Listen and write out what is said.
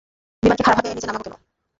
বিমানকে খাঁড়াভাবে নিচে নামাবো কেন?